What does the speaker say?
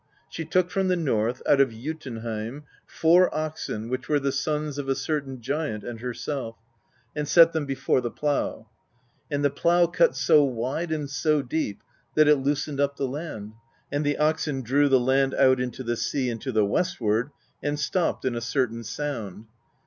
She took from the north, out of Jotunheim, four oxen which were the sons of a certain giant and herself, and set them before the plow. And the plow cut so wide and so deep that it loosened up the land; and the oxen drew the land out into the sea and to the westward, and stopped in a certain sound.